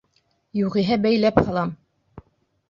Юғиһә, бәйләп һалам!